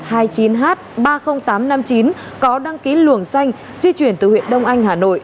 hai mươi chín h ba mươi nghìn tám trăm năm mươi chín có đăng ký luồng danh di chuyển từ huyện đông anh hà nội